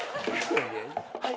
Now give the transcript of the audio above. はい。